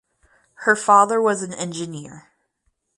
Her father was an engineer.